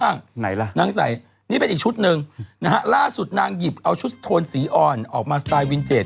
ไหนล่ะนางใส่นี่เป็นอีกชุดหนึ่งนะฮะล่าสุดนางหยิบเอาชุดโทนสีอ่อนออกมาสไตล์วินเทจ